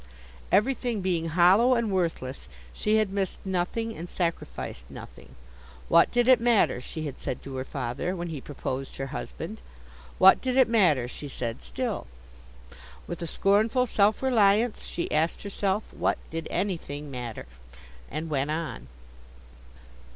Everything being hollow and worthless, she had missed nothing and sacrificed nothing. What did it matter, she had said to her father, when he proposed her husband. What did it matter, she said still. With a scornful self reliance, she asked herself, What did anything matter—and went on.